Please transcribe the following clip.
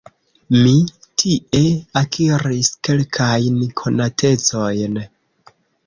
Mi tie akiris kelkajn konatecojn.